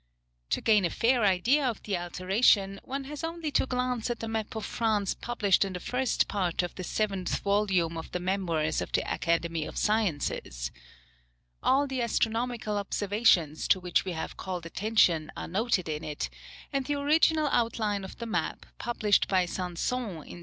To gain a fair idea of the alteration, one has only to glance at the map of France published in the first part of the seventh volume of the memoirs of the Academy of Sciences. All the astronomical observations to which we have called attention are noted in it, and the original outline of the map, published by Sanson in 1679, makes the modification apparent.